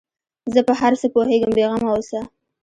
زه په هر څه پوهېږم بې غمه اوسه.